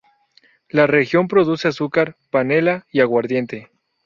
La región produce azúcar, panela y aguardiente.